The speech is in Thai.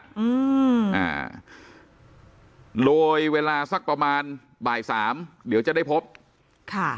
อืมอ่าโดยเวลาสักประมาณบ่ายสามเดี๋ยวจะได้พบค่ะ